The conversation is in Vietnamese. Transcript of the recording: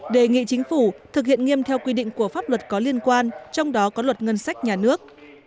đề nghị chính phủ thực hiện nghiêm theo quy định của pháp luật có liên quan trong đó có luật ngân sách nhà nước